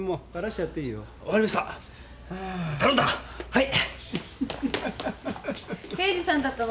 はい？